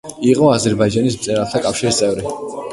იყო აზერბაიჯანის მწერალთა კავშირის წევრი.